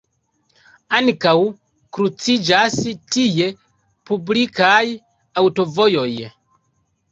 Ankaŭ kruciĝas tie publikaj aŭtovojoj.